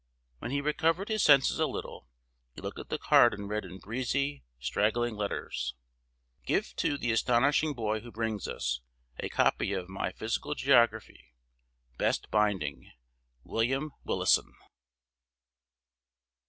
When he recovered his senses a little, he looked at the card and read, in breezy, straggling letters, "Give to the astonishing boy who brings this, a copy of my Physical Geography. Best binding. William Willison."